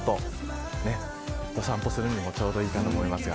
お散歩をするにもちょうどいいかと思いますが。